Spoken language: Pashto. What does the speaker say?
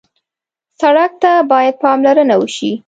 سړک ته باید پاملرنه وشي.